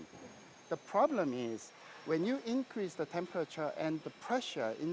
masalahnya adalah ketika anda meningkatkan temperatur dan tekanan